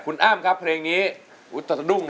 คุณอ้ำครับเพลงนี้อุ๊ยตะดุ้งแล้ว